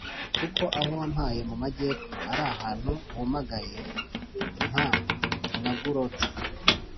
kuko aho wampaye mu majyepfo ari ahantu humagaye; mpa na Guloti-